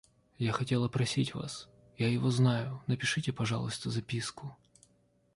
Я хотела просить вас, я его знаю, напишите, пожалуйста, записку.